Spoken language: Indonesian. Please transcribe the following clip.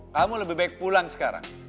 kamu lebih baik pulang sekarang